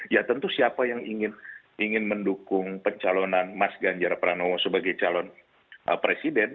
ya tentu siapa yang ingin mendukung pencalonan mas ganjar pranowo sebagai calon presiden